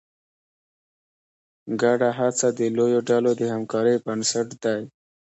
ګډه هڅه د لویو ډلو د همکارۍ بنسټ دی.